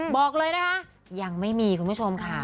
บอกเลยนะคะยังไม่มีคุณผู้ชมค่ะ